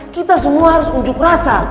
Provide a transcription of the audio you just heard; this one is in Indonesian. kita semua harus unjuk rasa